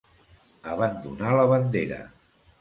Abandonar la bandera.